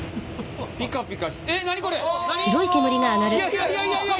いやいやいやいや。